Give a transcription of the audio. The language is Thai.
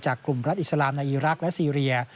กลุ่มรัฐอิสลามในอีรักษ์และซีเรีย